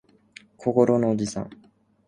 小五郎のおじさん